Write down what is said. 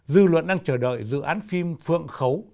dư luận đang chờ đợi dự án phim phượng khấu